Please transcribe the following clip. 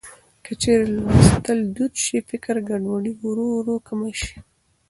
که چېرې لوستل دود شي، فکري ګډوډي ورو ورو کمه شي.